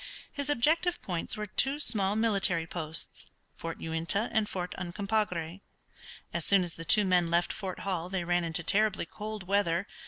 His objective points were two small military posts, Fort Uintah and Fort Uncompahgra. As soon as the two men left Fort Hall they ran into terribly cold weather.